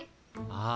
ああ。